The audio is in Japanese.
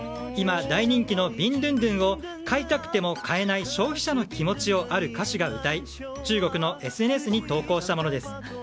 今、大人気のビンドゥンドゥンを買いたくても買えない消費者の気持ちをある歌手が歌い、中国のＳＮＳに投稿したものです。